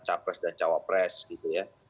capres dan cawapres gitu ya